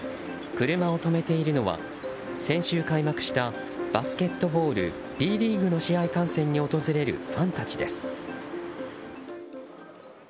車を止めているのは先週開幕したバスケットボールＢリーグの試合観戦に訪れるファンたちです。